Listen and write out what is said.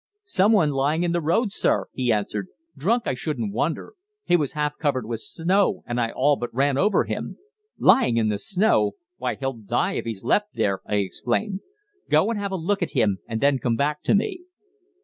"Someone lying in the road, sir," he answered, "drunk, I shouldn't wonder. He was half covered with snow, and I all but ran over him." "Lying in the snow! Why, he'll die if he's left there," I exclaimed. "Go and have a look at him, and then come back to me."